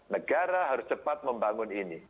negara harus cepat membangun ini